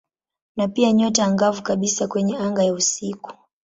Ni pia nyota angavu kabisa kwenye anga ya usiku.